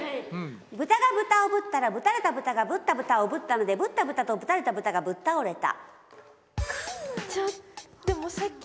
ブタがブタをぶったらぶたれたブタがぶったブタをぶったのでぶったブタとぶたれたブタがぶったおれた。